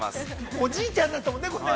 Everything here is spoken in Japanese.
◆おじいちゃんになってたもんね。